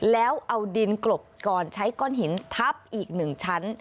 แล้วเอาดินกลบก่อนใช้ก้อนหินทับอีก๑ชั้น